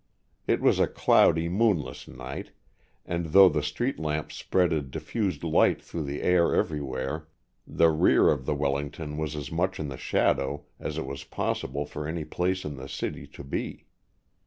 It was a cloudy, moonless night, and though the street lamps spread a diffused light through the air everywhere, the rear of the Wellington was as much in the shadow as it was possible for any place in the city to be.